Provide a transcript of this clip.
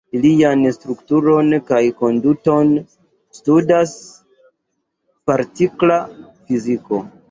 Ilian strukturon kaj konduton studas partikla fiziko.